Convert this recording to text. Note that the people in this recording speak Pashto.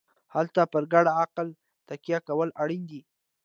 هلته پر ګډ عقل تکیه کول اړین دي.